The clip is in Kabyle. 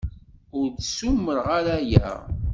Ur d-ssumreɣ ara aya.